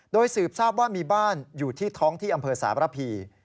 โดยสืบทราบว่ามีบ้านอยู่ที่ท้องที่อำเภอสารพี